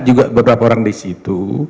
juga beberapa orang di situ